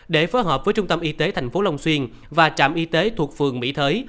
để phối hợp với trung tâm y tế thành phố long xuyên và trạm y tế thuộc phường mỹ thới